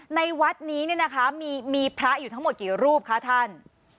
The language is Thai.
ในวัดนี้มีพระอยู่ทั้งหมดกี่รูปคะธ่าน